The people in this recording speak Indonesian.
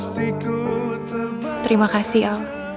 terima kasih al